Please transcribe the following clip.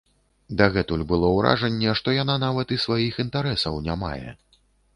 Дагэтуль было ўражанне, што яна нават і сваіх інтарэсаў не мае.